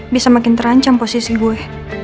bisa makin terancam posisi gue